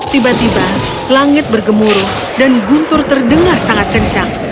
tiba tiba langit bergemuruh dan guntur terdengar sangat kencang